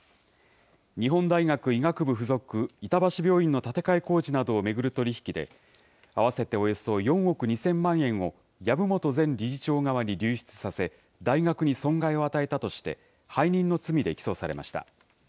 日本大学医学部附属板橋病院の建て替え工事などを巡る取り引きで、合わせておよそ４億２０００万円を、籔本前理事長側に流出させ、大学に損害を与えたとして、背任の罪で起訴されました。